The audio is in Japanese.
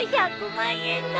１００万円の。